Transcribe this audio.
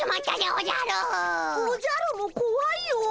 おじゃるもこわいよ。